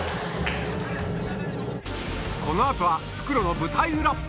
このあとは復路の舞台裏。